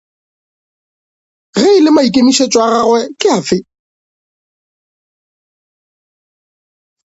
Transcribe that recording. Ge e le maikemišetšo a gagwe ke afe?